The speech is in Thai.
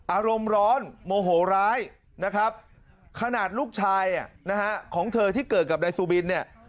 อารมณ์ร้อนโมโหร้ายนะครับขนาดลูกชายนะฮะของเธอที่เกิดกับนายสุบินเนี่ย